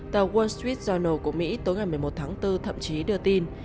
tàu wall street jonel của mỹ tối ngày một mươi một tháng bốn thậm chí đưa tin